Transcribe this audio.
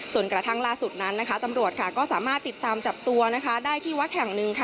จนกระทั่งล่าสุดนั้นตำรวจก็สามารถติดตามจับตัวได้ที่วัดแห่งหนึ่ง